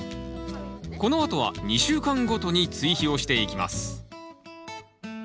このあとは２週間ごとに追肥をしていきます